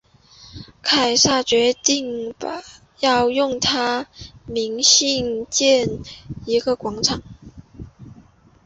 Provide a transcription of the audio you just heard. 凯撒决定要用他的名兴建一个广场。